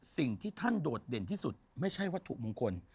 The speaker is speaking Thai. สิ่งที่ท่านโดดเด่นที่สุดไม่ใช่วัตถุมงคล